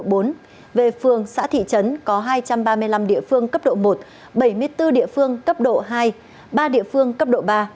về phường xã thị trấn có hai trăm ba mươi năm địa phương cấp độ một bảy mươi bốn địa phương cấp độ hai ba địa phương cấp độ ba